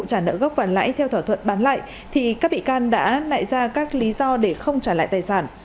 trả nợ gốc và lãi theo thỏa thuận bán lại thì các bị can đã nại ra các lý do để không trả lại tài sản